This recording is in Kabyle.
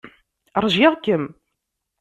Ṛjiɣ-kem.